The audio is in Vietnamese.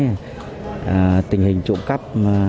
là tình hình trộm cắp